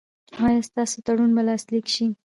ایا ستاسو تړون به لاسلیک شي؟